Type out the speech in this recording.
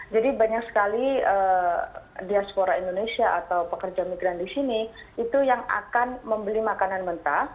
jadi banyak sekali diaspora indonesia atau pekerja migran di sini itu yang akan membeli makanan mentah